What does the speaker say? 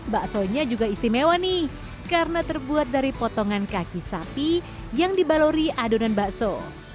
baksonya juga istimewa nih karena terbuat dari potongan kaki sapi yang dibalori adonan bakso